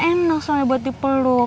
enak soalnya buat dipeluk